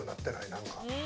何か。